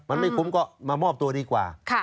มันไม่คุ้มก็มามอบตัวดีกว่า